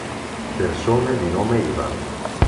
Persone di nome Ivan